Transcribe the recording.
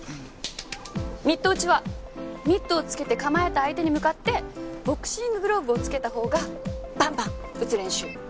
ミット打ちはミットを着けて構えた相手に向かってボクシンググローブを着けたほうがバンバン打つ練習。